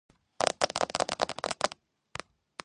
უმთავრესად მეხეური, ზოგიერთი ნახევრად წყლის ცხოველია.